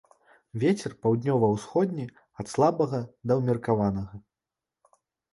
Вецер паўднёва-ўсходні, ад слабага да ўмеркаванага.